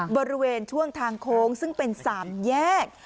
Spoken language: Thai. บริเวณช่วงทางโค้งซึ่งเป็น๓แยก